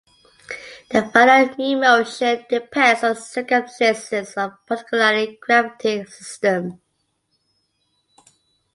The value of mean motion depends on the circumstances of the particular gravitating system.